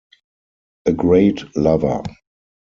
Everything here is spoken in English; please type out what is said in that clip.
A great lover.